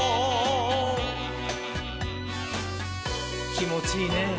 きもちいいねぇ。